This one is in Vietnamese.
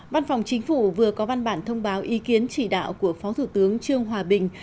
văn phòng chính phủ vừa có văn bản thông báo ý kiến chỉ đạo của phó thủ tướng trương hòa bình